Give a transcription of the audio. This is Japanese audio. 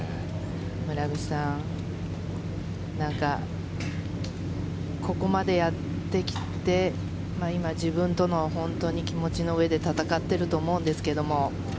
村口さん、なんかここまでやってきて今、自分との本当に気持ちの上で戦っていると思うんですが。